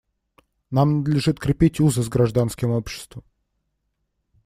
Нам надлежит крепить узы с гражданским обществом.